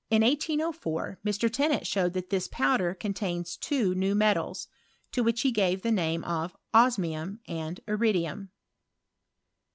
la 1804 Mr. Tennant showed that this powder contains two new metals, to which he gave the name of osmium and ii idivm.